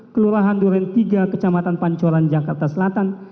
kelurahan duren tiga kecamatan pancoran jakarta selatan